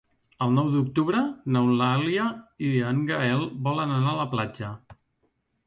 El nou d'octubre n'Eulàlia i en Gaël volen anar a la platja.